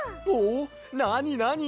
なになに？